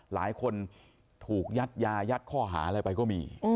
หลายคนถูกยัดยายัดข้อหาอะไรไปก็มี